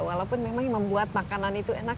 walaupun memang membuat makanan itu enak